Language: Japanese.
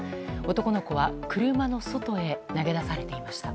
男の子は車の外へ投げ出されていました。